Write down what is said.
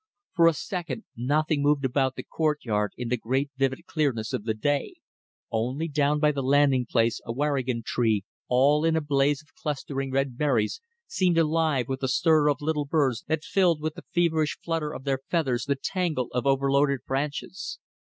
For a second nothing moved about the courtyard in the great vivid clearness of the day. Only down by the landing place a waringan tree, all in a blaze of clustering red berries, seemed alive with the stir of little birds that filled with the feverish flutter of their feathers the tangle of overloaded branches.